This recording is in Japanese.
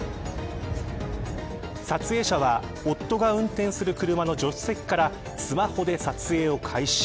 撮影者は夫が運転する車の助手席からスマホで撮影を開始。